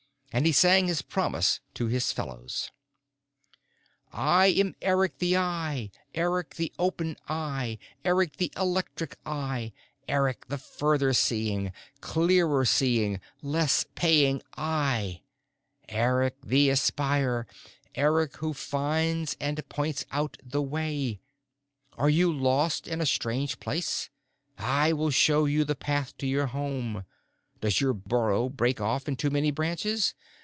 And he sang his promise to his fellows: I am Eric the Eye, Eric the Open Eye, Eric the Electric Eye, Eric the Further Seeing, Clearer Seeing, Less Paying Eye. Eric the Espier Eric who finds and points out the way. Are you lost in a strange place? I will show you the path to your home. Does the burrow break off in too many branches?